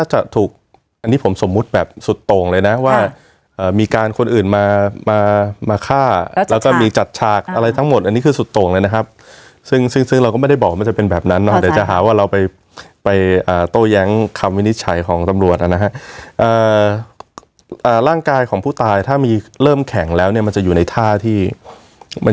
จะถูกอันนี้ผมสมมุติแบบสุดโต่งเลยนะว่ามีการคนอื่นมามาฆ่าแล้วก็มีจัดฉากอะไรทั้งหมดอันนี้คือสุดโต่งเลยนะครับซึ่งซึ่งเราก็ไม่ได้บอกว่ามันจะเป็นแบบนั้นนะครับเดี๋ยวจะหาว่าเราไปไปโต้แย้งคำวินิจฉัยของตำรวจนะฮะร่างกายของผู้ตายถ้ามีเริ่มแข็งแล้วเนี่ยมันจะอยู่ในท่าที่มัน